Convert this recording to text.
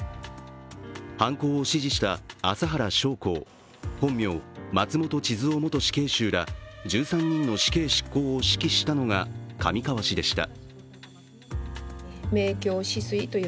犯行を指示した麻原彰晃、本名・松本智津夫元死刑囚ら１３人の死刑執行を指揮したのが上川氏でした。